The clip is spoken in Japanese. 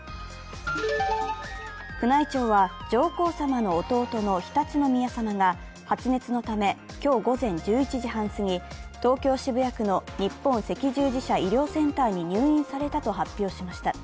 宮内庁は、上皇さまの弟の常陸宮さまが発熱のため今日午前１１時半すぎ、東京・渋谷区の日本赤十字社医療センターに入院されたと発表しました。